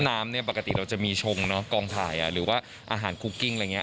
น้ำเนี่ยปกติเราจะมีชงเนอะกองถ่ายหรือว่าอาหารคุกกิ้งอะไรอย่างนี้